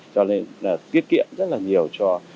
cho nên là tiết kiệm rất là nhiều cho